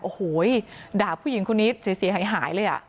โอ้โหด่าผู้หญิงคนนี้เสียหายเลย